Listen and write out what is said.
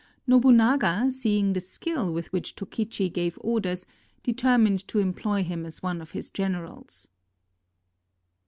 Nobunaga, seeing the skill with which Tokichi gave orders, determined to employ him as one of his generals.